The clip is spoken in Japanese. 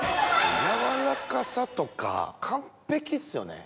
軟らかさとか完璧っすよね。